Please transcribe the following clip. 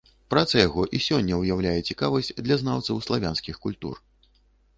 Праца яго і сёння ўяўляе цікавасць для знаўцаў славянскіх культур.